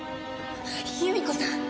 由美子さん？